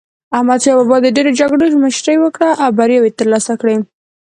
احمد شاه بابا د ډېرو جګړو مشري وکړه او بریاوي یې ترلاسه کړې.